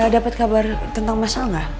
dapat kabar tentang masalah